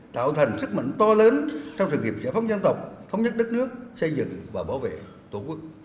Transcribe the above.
tạo thành sức mạnh to lớn trong sự nghiệp giải phóng dân tộc thống nhất đất nước xây dựng và bảo vệ tổ quốc